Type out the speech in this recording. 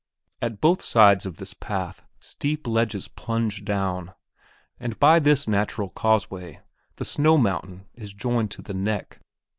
At both sides of this path, steep ledges plunge down, and by this natural causeway the snow mountain is joined to the "neck."